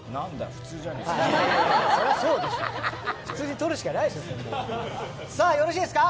普通に取るしかないでしょう。